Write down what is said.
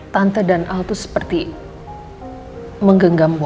tante dan al tuh seperti menggenggam bom waktu